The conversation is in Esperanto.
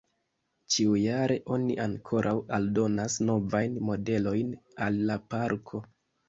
Ĉiujare oni ankoraŭ aldonas novajn modelojn al la parko.